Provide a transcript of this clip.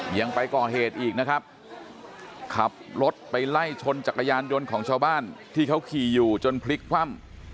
ยังไปก่อเหตุอีกนะครับขับรถไปไล่ชนจักรยานยนต์ของชาวบ้านที่เขาขี่อยู่จนพลิกคว่ำ